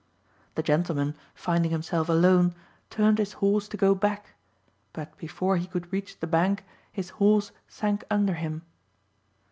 The gentleman, finding himself alone, turned his horse to go back, but before he could reach the bank his horse sank under him.